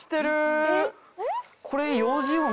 これ。